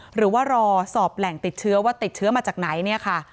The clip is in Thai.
หรือว่ารอสอบแหล่งติดเชื้อว่าติดเชื้อมาจากไหนเนี่ยค่ะ